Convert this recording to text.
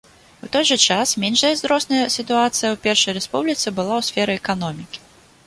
У той жа час, менш зайздросная сітуацыя ў першай рэспубліцы была ў сферы эканомікі.